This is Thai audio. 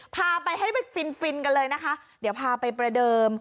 พาไปให้ไปฟินฟินกันเลยนะคะเดี๋ยวพาไปประเดิม